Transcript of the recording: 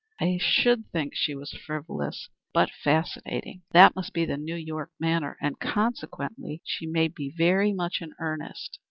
I should think she was frivolous, but fascinating. That must be the New York manner, and, consequently, she may be very much in earnest."